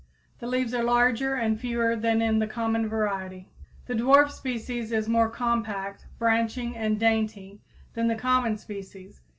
The leaves are larger and fewer than in the common variety. The dwarf species is more compact, branching and dainty than the common species.